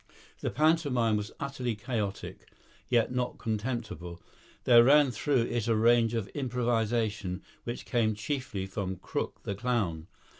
The pantomime was utterly chaotic, yet not contemptible; there ran through it a rage of improvisation which came chiefly from Crook the clown.